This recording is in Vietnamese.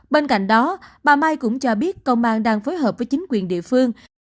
bên cạnh đó bà mai cũng cho biết công an đang phối hợp với chính quyền địa phương